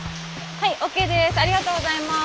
はいＯＫです。